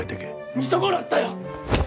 見損なったよ！